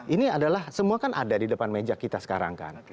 ini adalah semua kan ada di depan meja kita sekarang kan